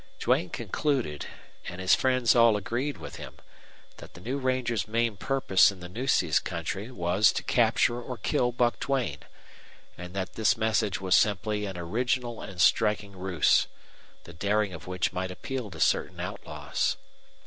Duane concluded, and his friends all agreed with him, that the new ranger's main purpose in the Nueces country was to capture or kill Buck Duane, and that this message was simply an original and striking ruse, the daring of which might appeal to certain outlaws.